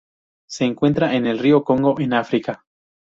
Se encuentra en el río Congo en África.